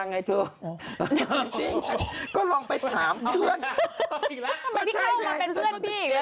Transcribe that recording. ไงเธอก็ลองไปถามเพื่อนอีกแล้วทำไมพี่เข้ามาเป็นเพื่อนพี่อีกแล้ว